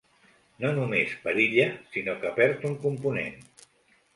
No només perilla sinó que perd un component.